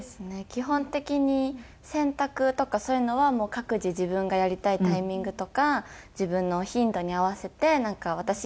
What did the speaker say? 基本的に洗濯とかそういうのは各自自分がやりたいタイミングとか自分の頻度に合わせてなんか「私やるね」